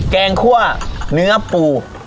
แกงคั่วเนื้อปู